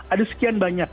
ada sekian banyak